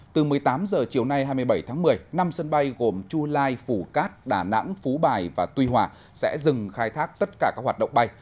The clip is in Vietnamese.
từ một mươi tám h chiều nay hai mươi bảy tháng một mươi năm sân bay gồm chu lai phủ cát đà nẵng phú bài và tuy hòa sẽ dừng khai thác tất cả các hoạt động bay